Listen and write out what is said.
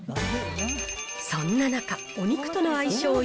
そんな中、お肉との相性